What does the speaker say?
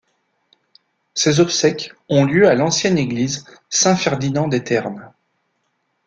Ses obsèques ont lieu à l'ancienne église Saint-Ferdinand-des-Ternes.